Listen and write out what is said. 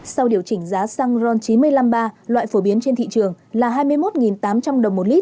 sau điều chỉnh giá xăng ron chín mươi năm ba loại phổ biến trên thị trường là hai mươi một đồng